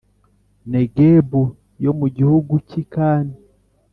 Negebu yo mu gihugu cy i kan